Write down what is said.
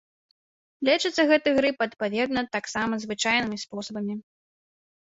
Лечыцца гэты грып, адпаведна, таксама звычайнымі спосабамі.